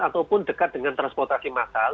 ataupun dekat dengan transportasi massal